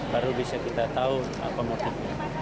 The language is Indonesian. baru bisa kita tahu apa motifnya